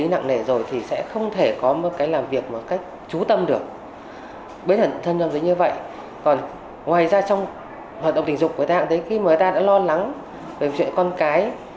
người ta cũng thấy khi mà người ta đã lo lắng về chuyện con cái